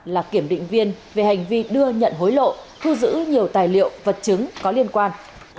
là kiểm định viên về hành vi đưa nhận hối lộ thu giữ nhiều tài liệu vật chứng có liên quan